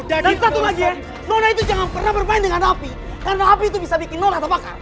dan satu lagi ya nona itu jangan pernah bermain dengan api karena api itu bisa bikin nona terbakar